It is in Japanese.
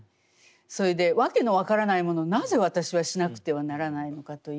それで訳の分からないものをなぜ私はしなくてはならないのかということですね。